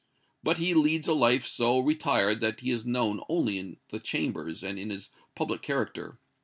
But he leads a life so retired that he is known only in the Chambers and in his public character.